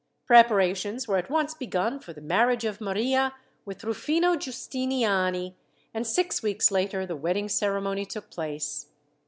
Preparations were at once begun for the marriage of Maria with Rufino Giustiniani, and six weeks later the wedding ceremony took place.